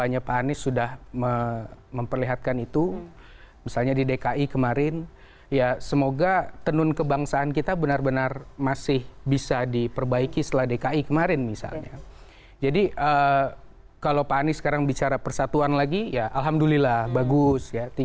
janji naturalisasi sungai